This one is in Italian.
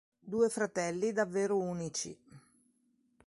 Due fratelli davvero unici!